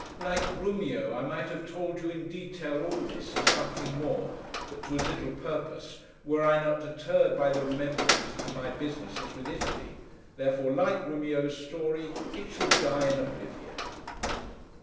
Like GRUMIO, I might have told you, in detail, all this and something more—but to as little purpose—were I not deterred by the remembrance that my business is with Italy. Therefore, like GRUMIO'S story, 'it shall die in oblivion.